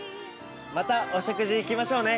またお食事行きましょうね。